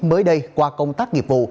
mới đây qua công tác nghiệp vụ